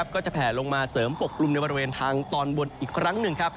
ก็จะแผลลงมาเสริมปกกลุ่มในบริเวณทางตอนบนอีกครั้งหนึ่ง